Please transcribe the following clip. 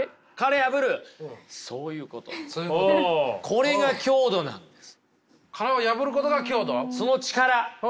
これが強度なんです。